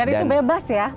dan itu bebas ya